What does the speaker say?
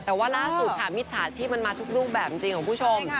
แต่ว่าล่าสุดค่ะมิจฉาชีพมันมาทุกรูปแบบจริงของคุณผู้ชม